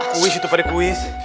kuis itu pada kuis